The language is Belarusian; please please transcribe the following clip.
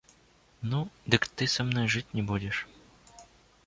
Ну, дык ты са мной жыць не будзеш.